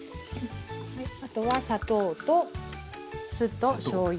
あとは砂糖と酢としょうゆ。